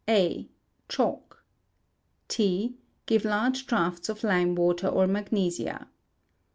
A. Chalk. T. Give large draughts of lime water or magnesia.